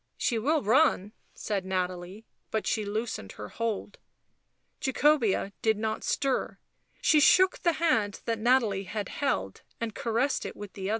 " She will run," said Nathalie, but she loosened her hold. Jacobea did not stir; she shook the hand Nathalie had held and caressed it with the other.